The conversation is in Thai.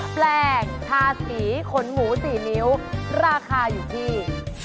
แปลงทาสีขนหมู๔นิ้วราคาอยู่ที่